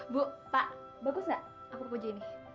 bu pak bagus gak aku ke pojok ini